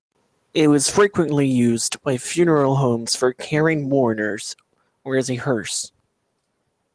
It was frequently used by funeral homes for carrying mourners or as a hearse.